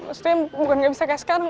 maksudnya bukan nggak bisa kayak sekarang